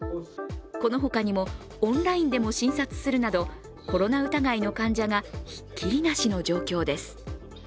このほかにもオンラインでも診察するなどコロナ疑いの患者がひっきりなしの状況です。